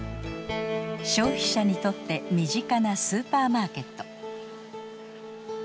消費者にとって身近なスーパーマーケット。